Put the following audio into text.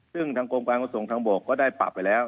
ซึ่งทางกรมการขนส่งทางบกก็ได้ปรับไปแล้ว